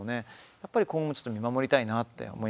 やっぱり今後ちょっと見守りたいなって